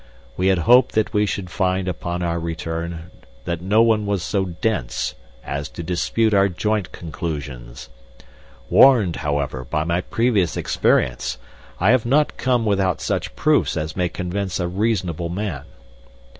We had hoped that we should find upon our return that no one was so dense as to dispute our joint conclusions. Warned, however, by my previous experience, I have not come without such proofs as may convince a reasonable man.